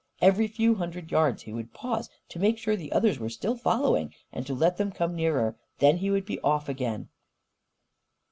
Every few hundred yards he would pause to make sure the others were still following, and to let them come nearer. Then he would be off again.